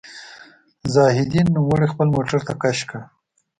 زاهدي نوموړی خپل موټر ته کش کړ.